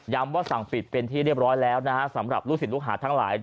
ว่าสั่งปิดเป็นที่เรียบร้อยแล้วนะฮะสำหรับลูกศิษย์ลูกหาทั้งหลาย